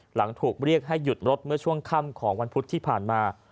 หลังถูกเรียกให้หยุดรถเมื่อช่วงค่ำของวันพุธที่ผ่านมา